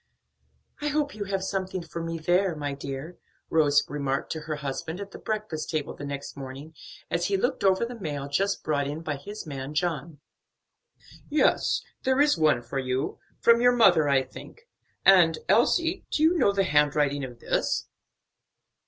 "I hope you have something for me there, my dear," Rose remarked to her husband at the breakfast table the next morning, as he looked over the mail just brought in by his man John. "Yes, there is one for you; from your mother, I think; and, Elsie, do you know the handwriting of this?"